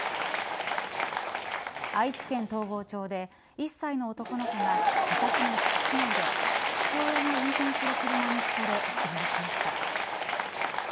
愛知県東郷町で１歳の男の子が自宅の敷地内で父親が運転する車にひかれ死亡しました。